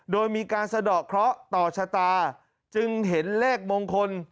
โดยมีการสะดอกเคราะห์ต่อชะตาจึงเห็นเลขมงคล